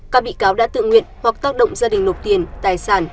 các bị cáo đã tự nguyện hoặc tác động gia đình nộp tiền tài sản